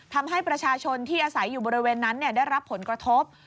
ทำให้ประชาชนที่อาศัยอยู่บริเวณนั้นได้รับผลกระทบ